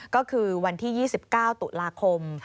ก็คือวันที่๒๙ตุลาคม